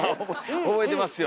覚えてますよ。